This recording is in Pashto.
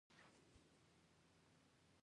آیا پلاستیک تولیدوو؟